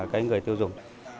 cái người tiêu dùng